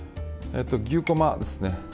牛こまですね。